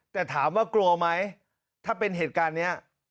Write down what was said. แต่ถามว่ากลัวไหมถ้าเป็นเหตุการณ์นี้